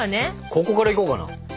ここからいこうかな。